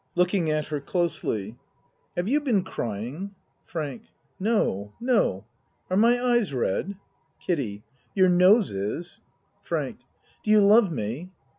(Looking at her closely.) Have ACT III 79 you been crying? FRANK No no. Are my eyes red? KIDDIE Your nose is. FRANK Do you love me?